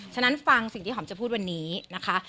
ฉะนั้นฟังสิ่งที่หอมจะพูดวันนี้นะคะ